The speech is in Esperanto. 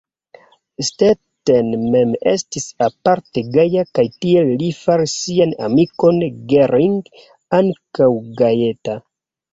Stetten mem estis aparte gaja kaj tiel li faris sian amikon Gering ankaŭ gajeta.